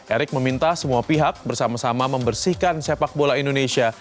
erick meminta semua pihak bersama sama membersihkan sepak bola indonesia